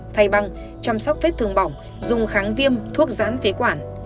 thay băng chăm sóc vết thương bỏng dùng kháng viêm thuốc giãn phế quản